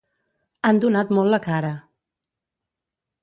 Han donat molt la cara.